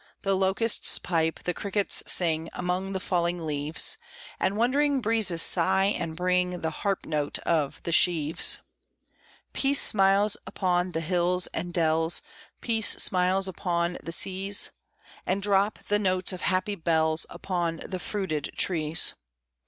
The locusts pipe, the crickets sing Among the falling leaves, And wandering breezes sigh, and bring The harp notes of the sheaves. Peace smiles upon the hills and dells; Peace smiles upon the seas; And drop the notes of happy bells Upon the fruited trees.